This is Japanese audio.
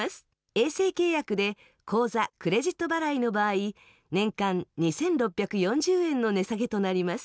衛星契約で口座・クレジット払いの場合、年間２６４０円の値下げとなります。